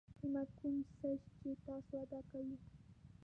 قیمت کوم څه چې تاسو ادا کوئ